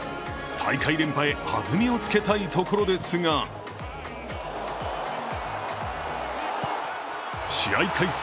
大会連覇へはずみをつけたいところですが試合開始